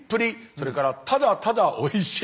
それから「ただただおいしい！」。